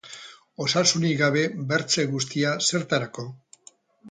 Osasunik gabe bertze guztia, zertarako?